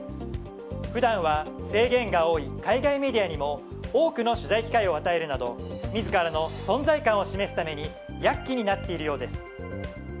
普段は制限が多い海外メディアにも多くの取材機会を与えるなど自らの存在感を示すために躍起になっているようです。